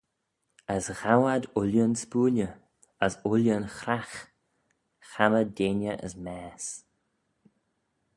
As ghow ad ooilley'n spooilley, as ooilley'n chragh, chammah deiney as maase.